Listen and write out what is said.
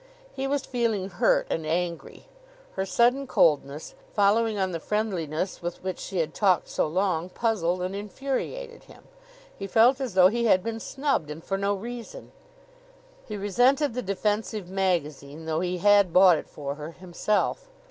He was feeling hurt and angry. Her sudden coldness, following on the friendliness with which she had talked so long, puzzled and infuriated him. He felt as though he had been snubbed, and for no reason. He resented the defensive magazine, though he had bought it for her himself.